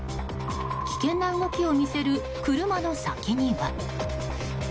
危険な動きを見せる車の先には。